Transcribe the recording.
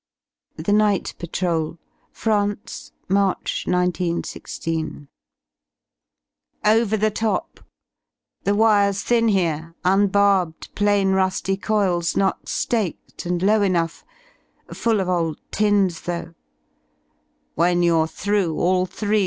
THE NIGHT PATROL France, March 1916. Over the top! The wire*s thin here, unbar bed Plain ruSly coils, not Slaked, and low enough: Full of old tins, though — "When you're through, all three.